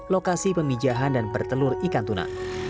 lokasi pemijahan dan bertelur ikan tuna